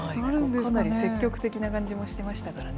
かなり積極的な感じもしてましたからね。